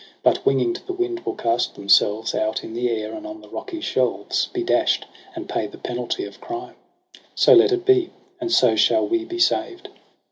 But winging to the wind will cast themselves Out in the air, and on the rocky shelves Be dasht, and pay the penalty of crime. az ' So let it be, and so shall we be saved.'